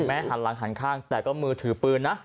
หันหลังหันข้างแต่ก็มือถือปืนนะ